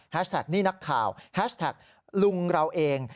แท็กนี่นักข่าวแฮชแท็กลุงเราเอง